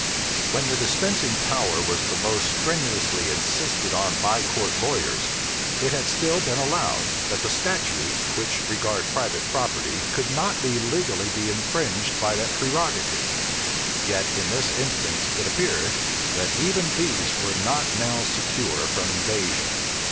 When the dispensing power was the most strenuously insisted on by court lawyers, it had still been allowed, that the statutes which regard private property could not legally be infringed by that prerogative: yet in this instance it appeared, that even these were not now secure from invasion.